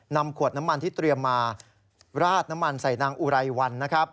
นำขวดน้ำมันที่เตรียมมาราดน้ำมันใส่นางอุไรวันนะครับ